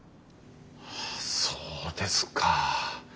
そうですか。